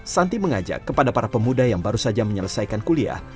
santi mengajak kepada para pemuda yang baru saja menyelesaikan kuliah